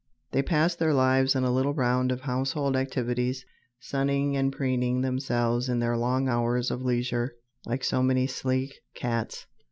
They pass their lives in a little round of household activities, sunning and preening themselves in their long hours of leisure like so many sleek cats.